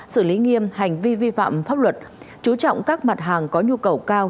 xử lý nghiêm hành vi vi phạm pháp luật chú trọng các mặt hàng có nhu cầu cao